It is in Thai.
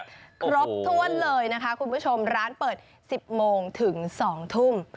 ครบถ้วนเลยนะคะคุณผู้ชมร้านเปิด๑๐โมงถึง๒ทุ่ม